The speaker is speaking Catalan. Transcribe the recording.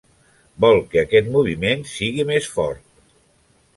Vol que aquest moviment sigui més fort.